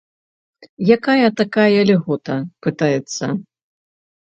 Якая такая льгота, пытаецца?